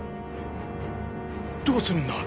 どうするんだ？